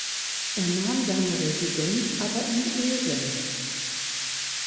Er nahm seine Residenz aber in Esens.